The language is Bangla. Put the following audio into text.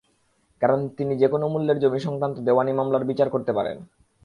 কারণ তিনি যেকোনো মূল্যের জমি সংক্রান্ত দেওয়ানি মামলার বিচার করতে পারেন।